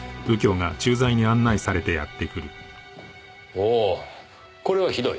おおこれはひどい。